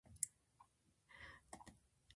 笛を吹き、羊と遊んで暮して来た。